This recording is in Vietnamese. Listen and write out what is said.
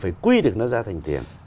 phải quy được nó ra thành tiền